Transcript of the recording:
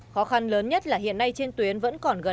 khó khăn lớn nhất là hiện nay trên tuyến vẫn còn gần